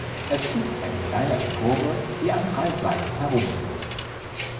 Es gibt eine kleine Empore, die an drei Seiten herumführt.